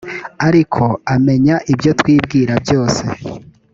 ariko amenya ibyo twibwira byose